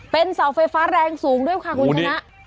เป็นเสาไฟฟ้าแรงสูงด้วยค่ะคุณชนะ